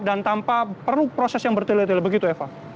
dan tanpa perlu proses yang bertele tele begitu eva